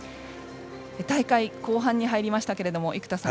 大会後半に入りましたけれども生田さん